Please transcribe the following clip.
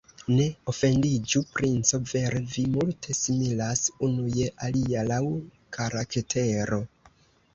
Ne ofendiĝu, princo, vere, vi multe similas unu je alia laŭ karaktero.